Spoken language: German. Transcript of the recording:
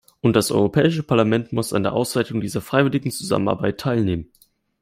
Und das Europäische Parlament muss an der Auswertung dieser freiwilligen Zusammenarbeit teilnehmen.